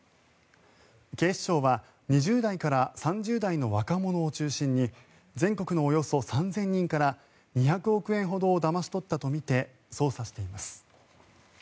警視庁は２０代から３０代の若者を中心に全国のおよそ３０００人から２００億円ほどをだまし取ったとみて捜査しています。